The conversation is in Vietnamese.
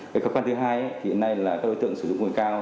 cái khó khăn thứ hai thì hiện nay là các đối tượng sử dụng nguồn cao